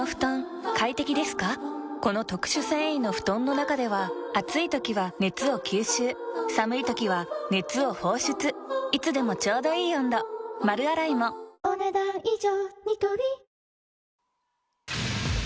この特殊繊維の布団の中では暑い時は熱を吸収寒い時は熱を放出いつでもちょうどいい温度丸洗いもお、ねだん以上。